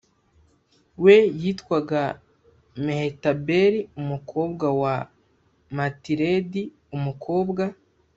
we yitwaga mehetabeli umukobwa wa matiredi umukobwa